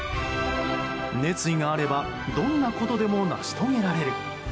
熱意があればどんなことでも成し遂げられる。